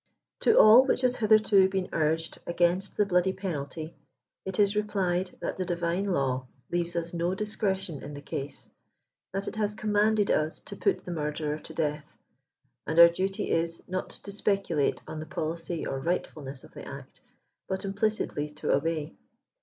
'' To all which has hitherto been urged against the bloody pen alty, it is replied that the Divine Law leaves us no discretion in the case ; that it has commanded us to put the murderer to death, and our duty is, not to speculate on the policy or right fulness of the act, but implicitly to obey.